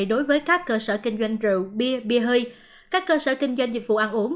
đối với các cơ sở kinh doanh rượu bia bia hơi các cơ sở kinh doanh dịch vụ ăn uống